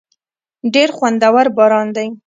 ډېر خوندور باران دی.